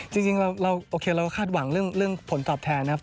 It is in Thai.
จริงเราโอเคเราก็คาดหวังเรื่องผลตอบแทนนะครับ